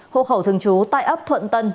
hộ khẩu thường trú tại ấp thuận tân